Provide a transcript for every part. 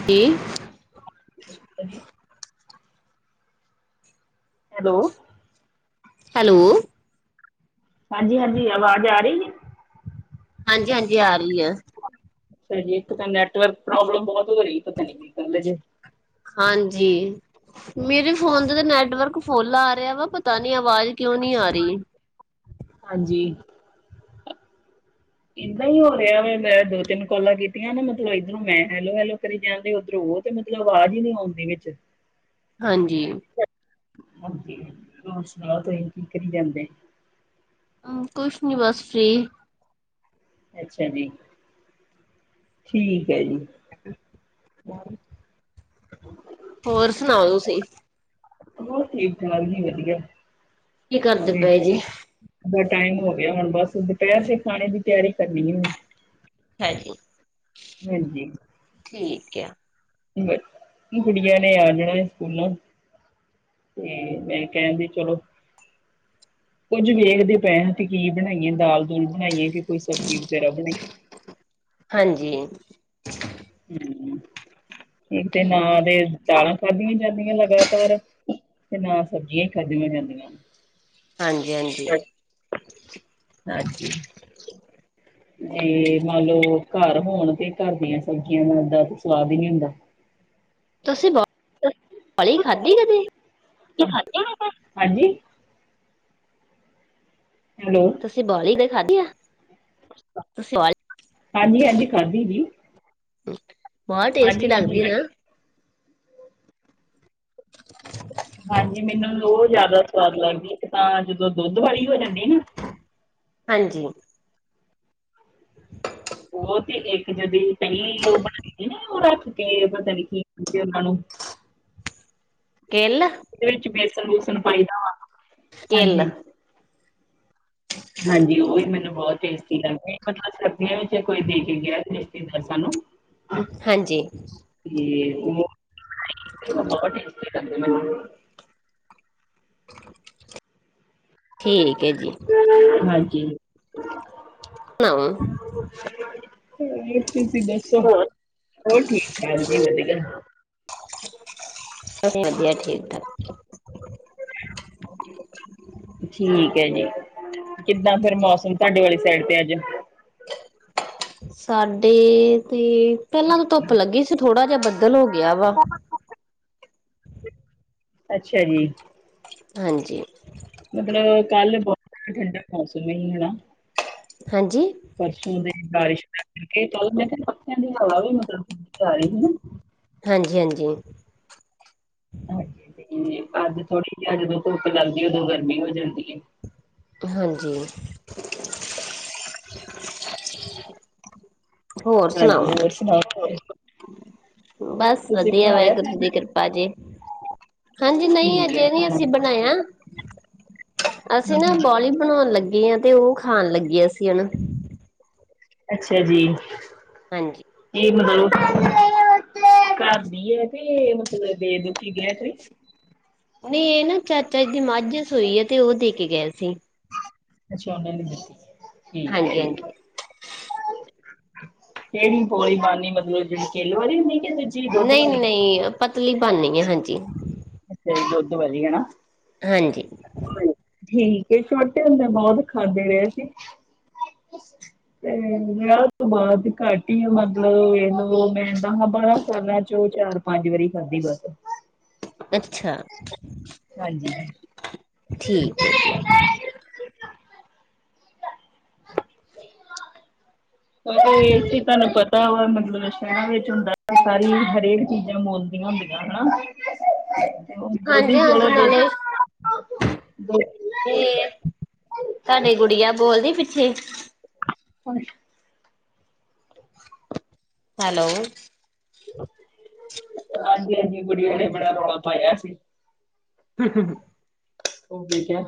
[unintelligible] [unintelligible] Hello. Hello. ਹਾਂਜੀ-ਹਾਂਜੀ ਆਵਾਜ ਆ ਰੀਂ ਏ? ਹਾਂਜੀ-ਹਾਂਜੀ ਆ ਰੀ ਐ। ਫ਼ਿਰ ਭੀ ਪਤੈ ਨੈਟਵਰਕ ਪ੍ਰੋਬਲਮ ਬੋਹੋਤ ਹੋ ਰੀ ਏ ਪਤਾ ਨੀ ਕੀ ਗੱਲ ਐ ਜੇ। ਹਾਂਜੀ। ਮੇਰੇ ਫੋਨ ਤੇ, ਤੇ ਨੈਟਵਰਕ ਫੁੱਲ ਆ ਰਿਆ ਵਾ, ਪਤਾ ਨੀ ਅਵਾਜ ਕਿਓਂ ਨੀ ਆ ਰੀ। ਹਾਂਜੀ। ਇੰਨਾ ਹੀ ਹੋ ਰਿਆ ਵੇ ਮੈਂ ਦੋ-ਤਿੰਨ ਕੋਲਾਂ ਕੀਤੀਐਂ ਨਾ ਮਤਲਬ ਇੱਧਰੋਂ ਮੈਂ ਹੈਲੋ-ਹੈਲੋ ਕਰੀ ਜਾਂਦੀ ਓਧਰੋਂ ਓ ਤੇ ਮਤਲਬ ਆਵਾਜ ਈ ਨੀ ਆਉਂਦੀ ਵਿੱਚ। ਹਾਂਜੀ। ਹਾਂਜੀ। ਜੀ ਹੋਰ ਸੁਨਾਓ, ਤੁਹੀ ਕੀ ਕਰੀ ਜਾਂਦੇ? ਕੁਛ ਨਹੀਂ, ਬਸ ਫ੍ਰੀ ਅੱਛਾ ਜੀ, ਠੀਕ ਹੈ ਜੀ। ਹਾਂ। ਹੋਰ ਸੁਣਾਓ ਤੁਸੀਂ? ਹੋਰ, ਠੀਕ -ਠਾਕ ਜੀ ਵਧੀਆ ਕੀ ਕਰਦੇ ਪਏ ਜੀ? ਹੁਣ ਟਾਈਮ ਹੋ ਗਿਆ ਹੁਣ ਬਸ, ਦੁਪਹਿਰ ਦੇ ਖਾਣੇ ਦੀ ਤਿਆਰੀ ਕਰਨੀ ਏ ਹਾਂਜੀ। ਹਾਂਜੀ। ਠੀਕ ਆ ਕੁੜੀਆਂ ਨੇ ਆ ਜਾਣਾ, ਸਕੂਲੋ ਤੇ ਮੈ ਕਿਹਾ, ਜੀ ਚਲੋ ਕੁੱਝ ਵੇਖਦੇ ਪਏ ਹ ਕਿ, ਕੀ ਬਣਾਈਏ ਦਾਲ- ਦੂਲ ਬਣਾਈਏ ਕਿ, ਕੋਈ ਸਬਜ਼ੀ ਵਗੈਰਾ ਬਣਾਈਏ ਹਾਂਜੀ। ਹਮ ਇੱਕ ਤੇ ਨਾ ਠੀਕ ਦੇ ਦਾਲਾਂ, ਖਾਧੀਆਂ ਜਾਂਦੀਆਂ ਲਗਾਤਾਰ ਤੇ ਨਾ, ਸਬਜ਼ੀਆਂ ਹੀ ਖਾਧੀਆਂ ਜਾਂਦੀਆਂ ਹਾਂਜੀ -ਹਾਂਜੀ ਹਾ ਜੀ, ਨਈ ਮੰਨ ਲਓ ਘਰ ਹੋਣ ਤੇ, ਘਰ ਦੀਆਂ ਸਬਜ਼ੀਆਂ ਦਾ ਸਵਾਦ, ਹੀ ਨਹੀ ਹੁੰਦਾ ਤੁਸੀਂ, ਬ ਵਾਲਲੀ ਖਾਧੀ ਕਦੀ? ਤੂੰ ਖਾਧੀ ਬਵਾਵਲੀ, ਹਾਂਜੀ ਹੈਲੋ ਤੁਸੀਂ, ਬੋਲੀ ਤੇ ਖਾਧੀ ਆ ਤੁਸੀਂ ਬੋਲੀ ਹਾਂਜੀ -ਹਾਂਜੀ ਖਾਧੀ ਜੀ। ਬਹੁਤ ਟੇਸਟੀ, ਹਾਂਜੀ ਹਾਂਜੀ। ਲੱਗਦੀ ਆ ਹਮ [inaudible] ਹਾਂਜੀ, ਮੈਨੂੰ ਬਹੁਤ ਜ਼ਿਆਦਾ ਸਵਾਦ ਲੱਗਦੀ, ਇੱਕ ਤਾਂ ਜਦੋਂ, ਦੁੱਧ ਵਾਲੀ ਹੋ ਜਾਂਦੀ ਨਾ ਹਾਂਜੀ। ਉਹ ਤੇ ਇੱਕ ਜੜ ਜਿਹੀ ਪਈ ਓ ਰੱਖ ਕੇ, ਪਤਾ ਨਈ ਕੀ ਕਹਿਦੇ ਉਹਨਾਂ ਨੂੰ ਕੇਲਾ, ਤੇ ਵਿੱਚ ਬੇਸਨ- ਬੂਸਣ ਪਾਈਦਾ, ਕਿੱਲ ਹਾਂਜੀ ਹਾਂਜੀ, ਉਹ ਵੀ ਮੈਨੂੰ ਬਹੁਤ ਟੇ ਮ ਕਰਦੀਆਂ ਵਿੱਚ ਕੋਈ ਦੇ ਕੇ ਗਿਆ ਰਿਸ਼ਤੇਦਾਰ ਸਾਨੂੰ [inaudible] ਹਾਂਜੀ। ਏ ਬਹੁਤ ਟੇਸਟੀ ਲਗਦੀ ਮੈਨੂੰ [inaudible] ਠੀਕ ਹੈ ਜੀ ਹਾਂਜੀ। ਨਾ [inaudible] ਹੋਰ ਤੁਸੀਂ ਦੱਸੋ ਹੋਰ -ਹੋਰ ਠੀਕ- ਠਾਕ ਜੀ ਵਧੀਆ ਸਭ ਵਧੀਆ, ਠੀਕ -ਠਾਕ ਠੀਕ ਹੈ ਜੀ, ਕਿੱਦਾਂ ਫੇਰ ਮੌਸਮ, ਤੁਹਾਡੇ ਵਾਲੀ ਸਾਈਡ ਤੇ ਅੱਜ ਸਾਡੇ ਤੇ ਪਹਿਲਾਂ ਤਾਂ, ਧੁੱਪ ਲੱਗੀ ਸੀ। ਥੋੜ੍ਹਾ ਜਿਹਾ ਬੱਦਲ ਹੋ ਗਿਆ ਵਾ ਅੱਛਾ ਜੀ। ਹਾਂਜੀ। ਮਤਲਬ ਕੱਲ, ਬਹੁਤ ਠੰਡਾ ਮੌਸਮ ਨਈ ਹਨਾ ਹਾਂਜੀ ਪਰਸੋਂ ਦੀ ਬਾਰਿਸ਼ ਕਰਕੇ ਕੱਲ ਮੈਂ ਕਿਹਾ ਪੱਖਿਆਂ ਦੀ ਹਵਾ ਵੀ ਮਤਲਬ ਠੰਡੀ ਆ ਰਹੀ ਸੀ। ਹਾਂਜੀ ਹਾਂਜੀ ਹਾਂਜੀ ਤੇ ਅੱਜ ਥੋੜੀ ਜਿ ਜਦੋਂ ਧੁੱਪ ਲੱਗਦੀ ਉਦੋਂ ਗਰਮੀ ਹੋ ਜਾਂਦੀ ਹੈ। ਹਾਂਜੀ ਹੋਰ ਹਾਂਜੀ ਸੁਣਾਓ ਹੋਰ ਸੁਣਾਓ ਫਿਰ ਬਸ ਵਧੀਆ ਲਿਆ ਵਾਹਿਗੁਰੂ ਜੀ ਦੀ ਖਾਣਾ ਕਿਰਪਾ ਜੇ ਹਾਂਜੀ ਨਹੀਂ ਠੀਕ ਹੈ ਅਜੇ ਨਹੀਂ ਖਾਣਾ ਅਸੀਂ ਹਮ ਬਣਾਇਆ ਅਸੀਂ ਨਾ ਹਮ। ਬੋਲੀ ਬਣਾਉਣ ਲੱਗੇ ਹਾਂ ਤੇ ਉਹ ਖਾਣ ਲੱਗੇ ਅਸੀਂ ਹਨਾ। ਅੱਛਾ ਜੀ ਹਾਂਜੀ ਇਹ ਬਣਾ ਘਰਦੀ ਹੈ ਤੇ ਮਤਲਬ ਦੇ ਦੁਖੀ ਗਿਆ ਕੋਈ ਨਹੀਂ ਇਹ ਨਾ ਚਾਚਾ ਜੀ ਦੀ ਮਾਝ ਸੋਈ ਤੇ ਉਹ ਦੇ ਕੇ ਗਏ ਸੀ। ਅੱਛਾ ਔਨਲਾਈਨ ਦਿੱਤੀ ਐ ਠੀਕ ਐ ਹਾਂਜੀ ਠੀਕ ਹਾਂਜੀ ਕਿਹੜੀ ਪੌਲੀ ਗੱਲ ਨੀ ਮਤਲਬ ਜਿਹੜੀ ਕਿਲ ਵਾਲੀ ਹੁੰਦੀ ਕਿ ਵਿੱਚ ਨਹੀਂ ਨਹੀਂ ਪਤਲੀ ਬਣਨੀ ਹੈ ਹਾਂਜੀ ਅੱਛਾ ਜੀ ਦੁੱਧ ਵਾਲੀ ਹਨਾ ਹਾਂਜੀ ਹਾਂਜੀ ਠੀਕ ਏ ਛੋਟੇ ਹੁੰਦੇ ਬਹੁਤ ਖਾਂਦੇ ਰਹੇ ਅਸੀਂ ਤੇ ਵਿਆਹ ਤੋਂ ਬਾਅਦ ਘੱਟ ਹੀ ਆ ਮਤਲਬ ਇਹਨੂੰ ਮੈਂਦਾ ਹਾਂ ਬਾਰਾ ਕਰਨਾ ਚੋਂ ਉਹ ਚਾਰ ਪੰਜ ਵਾਰੀ ਖਦੀ ਬਸ ਅੱਛਾ ਹਾਂਜੀ। ਠੀਕ ਹੈ ਜੀ [unintelligible] ਇਹ ਸੀ ਤੁਹਾਨੂੰ ਪਤਾ ਮਤਲਬ ਸ਼ਹਿਰਾਂ ਵਿੱਚ ਹੁੰਦਾ ਸਾਰੀ ਹਰੇਕ ਚੀਜ਼ਾਂ ਬੋਲਦੀਆਂ ਹੁੰਦੀਆਂ ਹਨਾ ਤੇ ਹੁਣ ਦੁੱਧ ਹਾਂਜੀ ਹੀ ਹਾਂਜੀ ਚਲੋ ਨਾਲੇ ਦੁੱਧ ਇਹ ਤੁਹਾਡੀ ਗੁੜੀਆ ਬੋਲਦੀ ਪਿੱਛੇ ਅੱਛ ਹੈਲੋ ਹਾਂਜੀ ਹਾਂਜੀ ਗੁੜੀਆਂ ਨੇ ਬੜਾ ਰੌਲਾ ਪਾਇਆ ਸੀ। ਹੂੰ-ਹੂੰ ਉਹ ਬਿਕਿਆ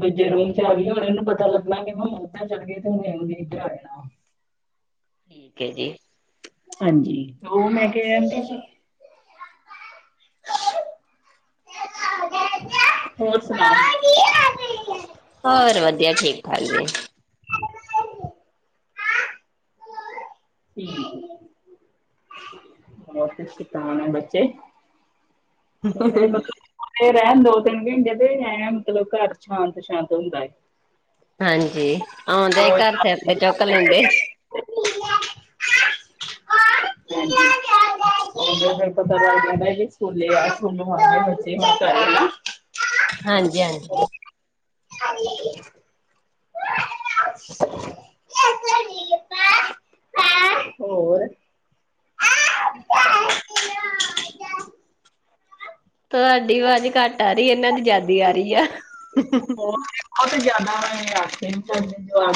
ਦੂਜੇ ਰੂਮ ਚ ਆ ਗਈਏ ਇਹਨੂੰ ਪਤਾ ਲੱਗਣਾ ਕਿ ਉੱਧਰ ਚਲੇ ਗਏ ਤੇ ਹੁਣ ਨਹੀਂ ਇਧਰ ਆ ਜਾਣਾ ਠੀਕ ਹੈ ਜੀ ਹਾਂਜੀ ਉਹ ਮੈਂ ਕਹਿੰਦੀ ਸੀ। ਹੋਰ ਸੁਣਾਓ ਹੋਰ ਵਧੀਆ ਠੀਕ ਠਾਕ ਜੀ ਠੀਕ ਹੋਰ ਫਿਰ ਕਿੱਦਾਂ ਆਉਣੇ ਬੱਚੇ [unintelligible] ਰਹਿਣ ਦੋ ਤਿੰਨ ਦਿਨ ਦੇ ਰਹਿਣ ਤੋਂ ਘਰ ਸ਼ਾਂਤ ਸ਼ਾਂਤ ਹੁੰਦਾ ਐ ਹਾਂਜੀ ਆਉਂਦੇ ਘਰ ਸਿਰ ਤੇ ਚੁੱਕ ਲੈਂਦੇ [unintelligible] ਉਹ ਫਿਰ ਪਤਾ ਚਲ [unintelligible] ਸਕੂਲੇ ਆ ਸਕੂਲੋਂ ਕੇ ਬੱਚੇ [unintelligible] ਹਾਂਜੀ ਹਾਂਜੀ ਅੱਛਾ ਜੀ ਹੋਰ ਹੋਰ [inaudible] ਤੁਹਾਡੀ ਆਵਾਜ਼ ਘੱਟ ਆ ਰਹੀ, ਇਹਨਾਂ ਦੀ ਜ਼ਾਦੀ ਆ ਰਹੀ ਆ। ਹੋਰ ਬਹੁਤ ਜਿਆਦਾ ਆਖੇ ਨੀਦੇ ਜੋ ਆ।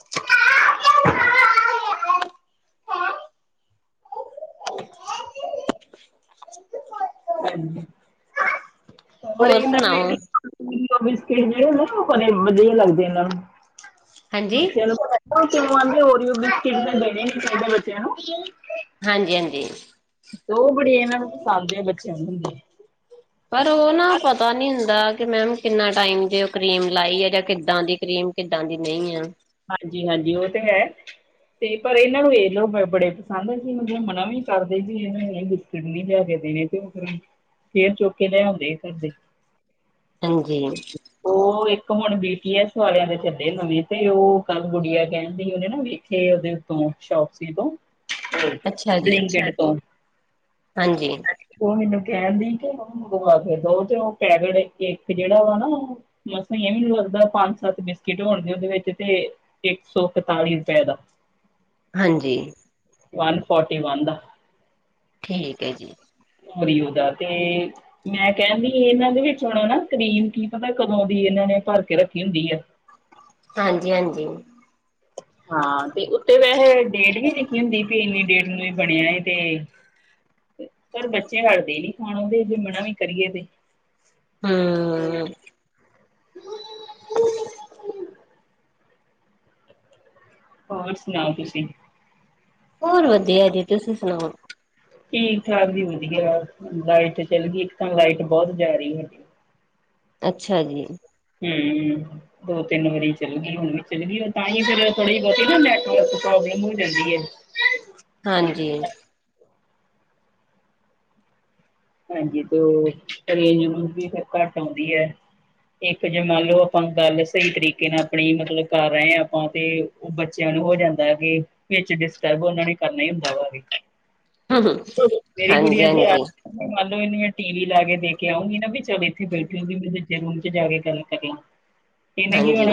ਨੂੰ। ਹੋਰ ਇਹ ਨੂੰ ਬਿਸਕਿਟ ਜਿਹੜੇੁੰ ਬੜ ਵਧੀਆ ਲੱਗਦੇ ਇਹਨਾਂ ਨੂੰ। ਹਾਂਜੀ ਬੱਚਿਆਂ ਨੂੰ ਪ ਆਂ ਹੋਰ ਓਰੀਓ ਬਿਸਕਿਟ ਦੇਣੇ ਨਹੀਂ ਚਾਹੀਦੇ ਬੱਚਿਆਂ ਨੂੰ। ਤੇ ਹਾਂਜੀ, ਹਾਂਜੀ। ਉਹ ਬੜੀ ਇਹਨਾਂ ਨੂੰ ਪਸੰਦਦੇ ਆ ਬੱਚਿਆਂ ਨੂੰ ਹੁੰਦੀ। ਪਰ ਉਹ ਨਾ ਪਤਾ ਨੀ ਹੁੰਦਾ ਕਿ ਮੈਮ ਕਿੰਨਾ ਟਾਈਮ ਦੇ ਉਹ ਕਰੀਮ ਲਾਈ ਹੈ, ਜਾਂ ਕਿੱਦਾਂ ਦੀ ਕਰੀਮ ਕਿੱਦਾਂ ਦੀ ਨਹੀਂ ਆ। ਹਾਂਜੀ, ਹਾਂਜੀ ਉਹ ਤੇ ਹੈ। ਤੇ ਪਰ ਇਹਨਾਂ ਨੂੰ ਇਹ ਲੋਕ ਬੜੇ ਪਸੰਦ ਸੀ, ਮਤਲਬ ਮਨਾ ਵੀ ਕਰਦੇ ਸੀ, ਇਹ ਨੂੰ ਇਹ ਗ ਸਡਲੀ ਲਿਆ ਕੇ ਦੇਣੇ ਤੇ, ਔਹ ਫਿਰ ਫੇਰ ਚੁੱਕ ਕੇ ਲਿਆ ਆਉਂਦੇ ਆ ਘਰ ਦੇ। ਹਾਂਜੀ। ਉਹ ਇੱਕ ਹੁਣ ਬੀ ਟੀ ਐਸ ਆਲਿਆ ਦੇ ਚੱਡੇ ਨਵੇਂ ਤੇ ਤੇ ਉਹ ਕੱਲ ਗੁੜੀਆ ਕਹਿਣ ਦੀ, ਉਹਨੇ ਨਾ ਵੇਖੇ ਉਹਦੇ ਉਤੋਂ ਸ਼ੋਪ ਸੀ ਉਦੋਂ ਅੱਛਾ [inaudible] ਜੀ ਬਲਿੰਕਟ ਤੋਂ ਹਾਂਜੀ। ਉਹ ਮੈਨੂੰ ਕਹਿਣ ਦੀ ਕਿ ਉਹੂੰ ਮੰਗਵਾ ਕੇ ਦੋ, ਤੇ ਉਹ ਪੈਕਟ ਇੱਕ ਜਿਹੜਾ ਵਾ ਨਾ ਔਹ ਮਸਾ ਵੀ ਲੱਗਦਾ ਪੰਜ, ਸੱਤ ਬਿਸਕਿਟ ਹੋਣ ਦੀ ਉਹਦੇ ਵਿੱਚ ਤੇ ਇੱਕ ਸੌ ਇਕਤਾਲੀ ਰੁਪਏ ਦਾ। ਹਾਂਜੀ। ਵਨ ਫੋਰਟੀ ਵਨ ਦਾ। ਠੀਕ ਹੈ ਜੀ। ਓਰੀਓ ਦਾ ਤੇ ਮੈਂ ਕਹਿਣਦੀ ਇਹਨਾਂ ਦੇ ਵਿੱਚ ਹੁਣ ਨਾ ਕਰੀਮ ਕੀ ਪਤਾ ਕਦੋਂ ਦੀ ਇਹਨਾਂ ਨੇ ਭਰ ਕੇ ਰੱਖੀ ਹੁੰਦੀ ਆ। ਹਾਂਜੀ, ਹਾਂਜੀ। ਹਾਂ ਤੇ ਉੱਤੇ ਵੈਸੇ ਡੇਟ ਵੀ ਲਿਖੀ ਹੁੰਦੀ ਵੀ ਇੰਨੀ ਡੇਟ ਨੂੰ ਵੀ ਬਣਿਆ। ਤੇ ਪਰ ਬੱਚੇ ਹਟਦੇ ਨੀ ਖਾਣੋ ਦੇ, ਜੇ ਮਨਾ ਵੀ ਕਰੀਏ ਤੇ। ਹਮ। [unintelligible] ਹੋਰ ਸੁਣਾਓ ਤੁਸੀਂ? ਹੋਰ ਵਧੀਆ ਜੀ, ਤੁਸੀਂ ਸੁਣਾਓ? ਠੀਕ, ਠਾਕ ਜੀ ਵਧੀਆ, ਲਾਈਟ ਚੱਲ ਗਈ ਇੱਕ ਤਾਂ ਲਾਈਟ ਬਹੁਤ ਜਾ ਰਹੀ ਸਾਡੇ। ਅੱਛਾ ਜੀ। ਹਮ। ਦੋ ਤਿੰਨ ਵਾਰੀ ਚੱਲ ਗਈ, ਹੁਣ ਵੀ ਚੱਲ ਗਈ ਤਾਂ ਹੀ ਫੇਰ ਥੋੜੀ, ਬੋਤੀ ਨਾ ਨੈਟਵਰਕ ਪ੍ਰੋਬਲਮ ਹੋ ਜਾਂਦੀ ਹੈ। ਹਾਂਜੀ। ਹਾਂਜੀ ਤੇ ਉਹ ਰੇਜ, ਰੁਜ ਵੀ ਫੇਰ ਘੱਟ ਆਉਂਦੀ ਹੈ ਇੱਕ ਜੇ ਮੰਨ ਲਓ ਆਪਾਂ ਗੱਲ ਸਹੀ ਤਰੀਕੇ ਨਾਲ ਆਪਣੀ ਮਤਲਬ ਕਰ ਰਹੇ ਹਾ, ਆਪਾਂ ਤੇ ਉਹ ਬੱਚਿਆਂ ਨੂੰ ਹੋ ਜਾਂਦਾ ਹੈ ਕਿ, ਵਿੱਚ ਡਿਸਟਰਬ ਉਹਨਾਂ ਨੂੰ ਕਰਨਾ ਹੀ ਹੁੰਦਾ ਵਾ ਵਿੱਚ ਹਾਂਜੀ ਮੇਰੀ ਕੁੜੀਆਂ ਦੇ ਯਾਰ ਹਾਂਜੀ ਮੰਨ ਲਓ ਇਹਨੂੰ ਮੈਂ ਟੀ ਵੀ ਲਾ ਕੇ ਦੇ ਕੇ ਆਊਂਗੀ ਨਾ ਚਲ ਇੱਥੇ ਬੈਠੀ ਹੋਗੀ, ਮੈਂ ਦੂਜੇ ਰੂਮ ਚ ਜਾ ਕੇ ਗੱਲ ਕਰ ਲਾ। ਤੇ ਇਹਨੇ ਕੀ ਹਾਂਜੀ ਹੋਣਾ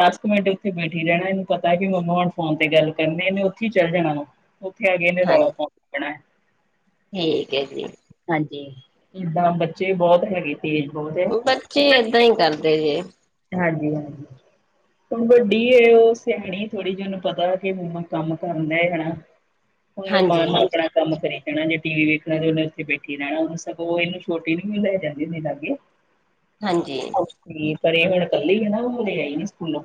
ਦਸ ਕੁ ਮਿੰਟ ਉੱਥੇ ਬੈਠੀ ਰਹਿਣਾ, ਇਹਨੂੰ ਪਤਾ ਹੈ ਮੰਮਾ ਹੁਣ ਫੋਨ ਤੇ ਗੱਲ ਕਰਨੀ ਇਹਨੇ ਉੱਥੇ ਹੀ ਚੱਲ ਜਾਣਾ ਉਹਨੂੰ। ਉੱਥੇ ਆ ਗਏ ਇਹਨੇ ਹਾਂ ਰੌਲਾ ਪੋ ਦੇਣਾ ਹੈ। ਠੀਕ ਹੈ ਜੀ। ਹਾਂਜੀ ਜਿੱਦਾਂ ਬੱਚੇ ਬਹੁਤ ਹੈਗੇ ਤੇਜ਼ ਬਹੁਤ ਹੈ ਬੱਚੇ ਏਦਾਂ ਹੀ ਕਰਦੇ ਜੇ ਹਾਂਜੀ ਹਾਂਜੀ ਹੁਣ ਵੱਡੀ ਹੈ ਉਹ ਸਿਆਣੀ ਥੋੜ੍ਹੀ ਜਿਹੀ ਉਹਨੂੰ ਪਤਾ ਕਿ ਮੰਮਾ ਕੰਮ ਕਰਨ ਡਏ ਆ ਹੁਣ ਹਾਂਜੀ ਅਰਮਾਨ ਮਲਿਕ ਆ ਕੰਮ ਕਰੀ ਜਾਣਾ ਜੇ ਟੀ ਵੀ ਵੇਖਣਾ ਤੇ ਉਹਨੇ ਉੱਥੇ ਬੈਠੀ ਰਹਿਣਾ ਸਗੋਂ ਉਹ ਇਹਨੂੰ ਛੋਟੀ ਨੂੰ ਵੀ ਲੈ ਜਾਂਦੀਦੇ ਲਾਗੇ ਹ ਹਾਂਜੀ ਕੀ ਕਰੇ ਹੁਣ ਕੱਲੀ ਹੈ ਨਾਲੇ ਆਈ ਨੀ ਸਕੂਲੋਂ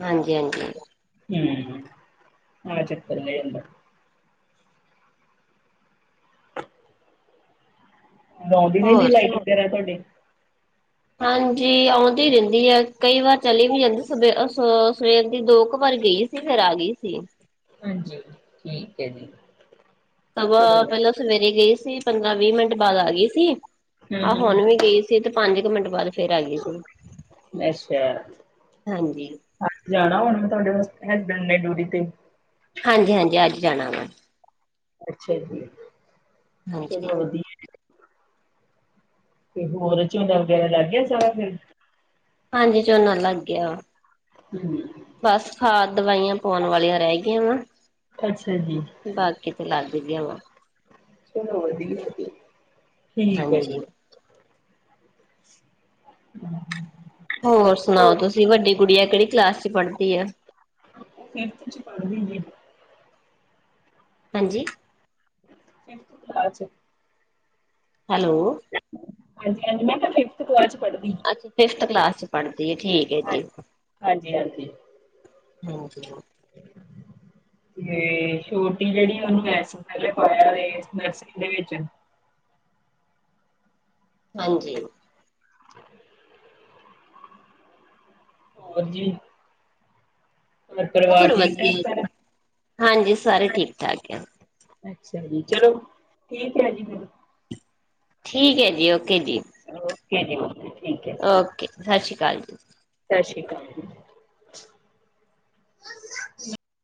ਹਾਂਜੀ ਹਾਂਜੀ ਹੂੰ ਆਹ ਚੱਕਰ ਹੋ ਜਾਂਦਾ ਆਉਂਦੇ ਰਹਿੰਦੀ ਹੋਰ ਲਾਈਟ ਤੁਹਾਡੀ ਹਾਂਜੀ ਆਉਂਦੀ ਰਹਿੰਦੀ ਹੈ ਕਈ ਵਾਰ ਚਲੀ ਵੀ ਜਾਂਦੀ ਸਵੇ ਸ ਸਵੇਰ ਦੀ ਦੋ ਕੁ ਵਾਰ ਗਈ ਨੀ ਫਿਰ ਆ ਗਈ ਸੀ ਹਾਂਜੀ ਠੀਕ ਹੈ ਜੀ ਸਗੋ ਚਲੋ ਪਹਿਲਾਂ ਵਧੀਆ। ਸਵੇਰੇ ਗਈ ਸੀ ਪੰਦਰਾਂ, ਵੀਹ ਮਿੰਟ ਬਾਅਦ ਆ ਗਈ ਸੀ। ਆਹ ਹੂੰ ਹੂੰ ਹੁਣ ਵੀ ਗਈ ਸੀ, ਤੇ ਪੰਜ ਕੁ ਮਿੰਟ ਬਾਅਦ ਫੇਰ ਆ ਗਈ ਸੀ ਅੱਛਾ। ਹਾਂਜੀ। ਅੱਜ ਜਾਣਾ ਹੁਣ ਮੈਂ ਤੁਹਾਡੇ ਹੈਸਬੈਂਡ ਨੇ ਡਿਊਟੀ ਤੇ' ਹਾਂਜੀ, ਹਾਂਜੀ ਅੱਜ ਜਾਣਾ ਵਾ। ਅੱਛਾ ਜੀ, ਹਾਂਜੀ ਚਲੋ ਵਧੀਆ ਤੇ ਹੋਰ ਝੋਨਾ, ਵਗੈਰਾ ਲੱਗ ਗਿਆ ਸਾਰਾ ਫਿਰ। ਹਾਂਜੀ, ਝੋਨਾ ਲੱਗ ਗਿਆ ਵਾ। ਹੂੰ ਬਸ ਖਾਦ, ਦਵਾਈਆਂ ਪਾਉਣ ਵਾਲੀਆਂ ਰਹਿ ਗਈਆਂ ਵਾ, ਅੱਛਾ ਜੀ। ਬਾਕੀ ਤਾਂ ਲੱਗ ਗਿਆ ਵਾ। ਚਲੋ ਵਧੀਆ ਜੀ, ਠੀਕ ਹੈ ਜੀ। ਹਾਂਜੀ ਹੂੰ ਹੋਰ ਸੁਣਾਓ ਤੁਸੀਂ ਵੱਡੀ ਗੁੱਡੀਆ ਕਿਹੜੀ ਕਲਾਸ ਚ ਪੜ੍ਹਦੀ ਆ। ਓ ਫਿਫ਼ਥ ਚ ਪੜ੍ਹਦੀ ਜੇ। ਹਾਂਜੀ। ਫਿਫਥ ਕਲਾਸ ਚ ਹੈਲੋ! ਹਾਂਜੀ, ਹਾਂਜੀ ਮੈਂ ਕਿਆ ਫਿਫਥ ਕਲਾਸ ਚ ਪੜ੍ਹਦੀ। ਅੱਛਾ, ਫਿਫਥ ਕਲਾਸ ਚ ਪੜ੍ਹਦੀ ਹੈ, ਠੀਕ ਹੈ ਜੀ। ਹਾਂਜੀ-ਹਾਂਜੀ। ਹੋਰ ਦਸੋ? [unintelligible] ਤੇ ਛੋਟੀ ਜਿਹੜੀ ਉਹਨੂੰ ਏਸ ਸਾਲ ਹੀ ਪਾਇਆ ਵੇ ਨਰਸਰੀ ਦੇ ਵਿਚ। ਹਾਂਜੀ। [unintelligible] ਹੋਰ ਜੀ ਹੋਰ ਪਰਿਵਾਰ ਠੀਕ ਠਾਕ ਸਾਰਾ ਸਾਰੇ ਹਾਂਜੀ। ਠੀਕ ਠਾਕ ਆ ਅੱਛਾ ਜੀ, ਚਲੋ ਠੀਕ ਹੈ ਜੀ ਫਿਰ, ਠੀਕ ਹੈ ਜੀ ਓਕੇ ਜੀ। ਓਕੇ ਜੀ, ਥੈਂਕਯੂ। ਓਕੇ, ਸ਼ਾਸੀ ਕਾਲ ਜੀ। ਸ਼ਾਸ਼ੀ ਕਾਲ ਜੀ।